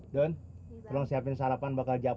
don siapin sarapan bakal jatuh ini